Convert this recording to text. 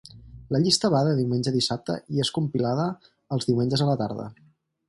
La llista va de diumenge a dissabte i és compilada els diumenges a la tarda.